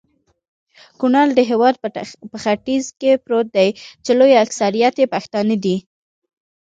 کونړ د هيواد په ختیځ کي پروت دي.چي لوي اکثريت يي پښتانه دي